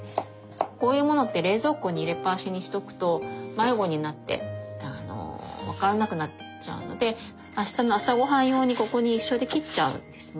こういうものって冷蔵庫に入れっぱなしにしとくと迷子になって分からなくなっちゃうのであしたの朝ごはん用にここに一緒で切っちゃうんですね。